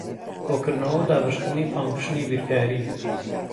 کۆکردنەوە و دابەشکردن فانکشنی بیرکارین.